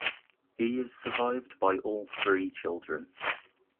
He is survived by all three children.